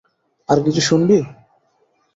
আরো কিছু শুনবি?